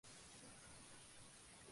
Nunca tuvo una letra oficial.